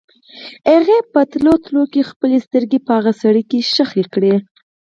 هغې په تلو تلو کې خپلې سترګې په هغه سړي کې ښخې کړې.